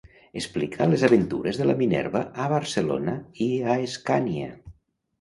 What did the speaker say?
Explica les aventures de la Minerva a Barcelona i a Escània.